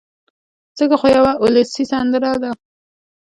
ځکه خو يوه اولسي سندره ده